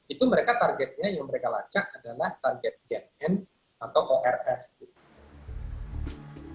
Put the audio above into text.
itu mereka targetnya yang mereka lacak adalah target gen n atau orf